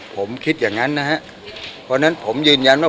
ผมคิดอย่างนั้นนะฮะเพราะฉะนั้นผมยืนยันว่า